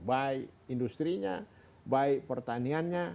baik industri nya baik pertanian nya